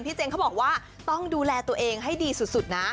เจนเขาบอกว่าต้องดูแลตัวเองให้ดีสุดนะ